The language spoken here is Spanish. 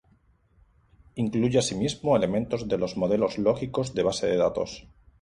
Incluye asimismo elementos de los modelos lógicos de bases de datos.